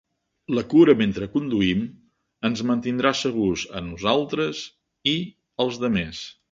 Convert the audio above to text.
La cura mentre conduïm ens mantindrà segurs a nosaltres i als demés.